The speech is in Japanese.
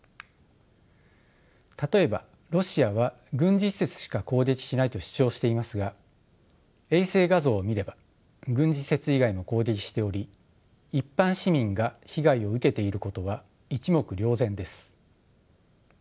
例えばロシアは軍事施設しか攻撃しないと主張していますが衛星画像を見れば軍事施設以外も攻撃しており一般市民が被害を受けていることは一目瞭然です。